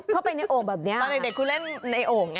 เข้าไปในโอ่งแบบนี้ตอนเด็กคุณเล่นในโอ่งไง